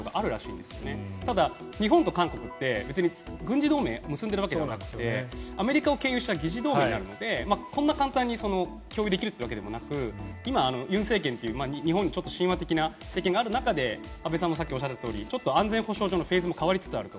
でも日本と韓国って別に軍事同盟を結んでるわけじゃなくてアメリカを経由した疑似同盟になるのでこんな簡単に共有できるってわけでもなく今、尹政権という日本に親和的な政権がある中で安全保障上のフェーズが変わりつつあると。